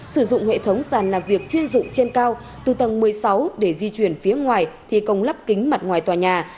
sử dụng hệ thống sàn làm việc chuyên dụng trên cao từ tầng một mươi sáu để di chuyển phía ngoài thi công lắp kính mặt ngoài tòa nhà